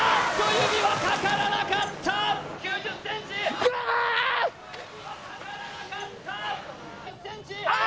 指はかからなかったああ！